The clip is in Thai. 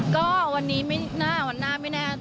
ก็วันนี้ไม่น่าวันหน้าไม่แน่